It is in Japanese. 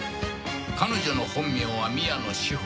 彼女の本名は宮野志保。